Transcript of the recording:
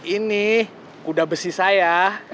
ini kuda besi saya